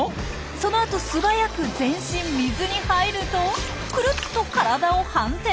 その後素早く全身水に入るとくるっと体を反転。